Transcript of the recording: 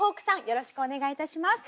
よろしくお願いします。